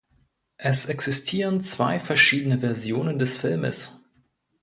Es existieren zwei verschiedene Versionen des Filmes.